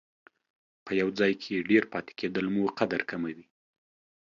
په یو ځای کې ډېر پاتې کېدل مو قدر کموي.